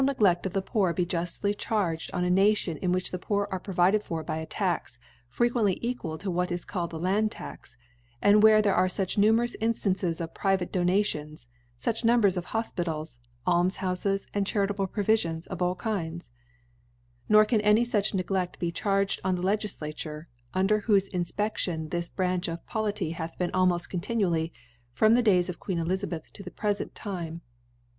eglcft of the Poor he juftly charged on a Nation in vyhich the Poor ^r^e provided for by a Tax frequently eqfjal to * \7hat is called ihe Lapd Tax^ and wherq there are liich numerous Inftanq^^ of pirU vate Donations^ inch Numbers of Hic^i * tak, Alms houJks^ and charitable Frovifions of all Kinds 9 Nor can a^y inch NegleA be charged or^ the Le^ature; under whpfc Infpe(Jlipr> this Branch of Polity bath been aliopoft cqn » tinually from the Days of Qgeen EUzabab to the prelent Time.